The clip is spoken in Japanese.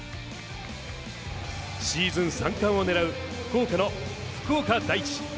シーズン三冠をねらう福岡の福岡第一。